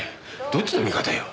どっちの味方よ？